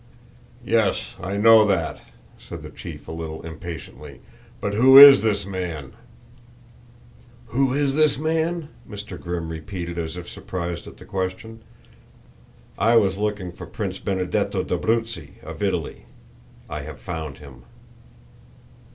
"Yes, I know that," said the chief a little impatiently. "But who is this man?" "Who is this man?" Mr. Grimm repeated as if surprised at the question. "I was looking for Prince Benedetto d'Abruzzi, of Italy. I have found him."